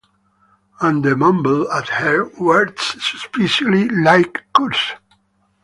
And he mumbled at her — words suspiciously like curses.